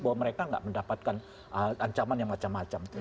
bahwa mereka tidak mendapatkan ancaman yang macam macam